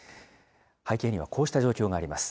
背景にはこうした状況があります。